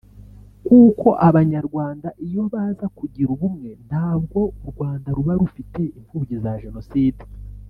kuko Abanyarwanda iyo baza kugira ubumwe ntabwo u Rwanda ruba rufite imfubyi za jenoside